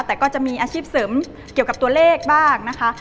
แต่ก็จะมีอาชีพเสริมเกี่ยวกับตัวเลขบ้างนะคะ